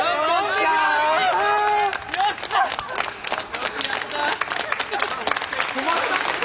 よくやった！